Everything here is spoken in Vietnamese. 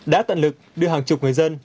đã tận lực đưa hàng chục người dân